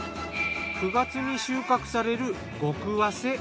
９月に収穫される極早生。